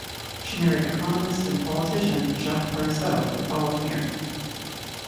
She married economist and politician Jacques Parizeau the following year.